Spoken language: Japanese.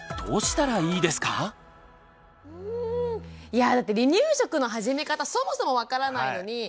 いやぁだって離乳食の始め方そもそも分からないのに。